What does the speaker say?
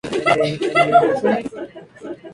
En revistas españolas e hispanoamericanas.